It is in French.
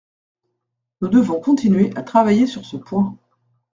Nous devons continuer à travailler sur ce point.